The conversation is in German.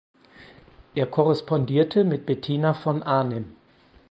Er korrespondierte mit Bettina von Arnim.